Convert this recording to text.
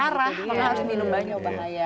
karena harus minum banyak bahaya